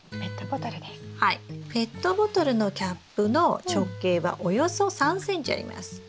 ペットボトルのキャップの直径はおよそ３ｃｍあります。